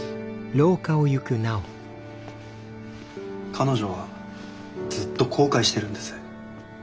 彼女はずっと後悔してるんです。